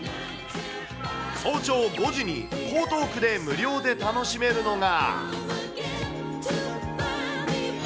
早朝５時に江東区で無料で楽しめるのが。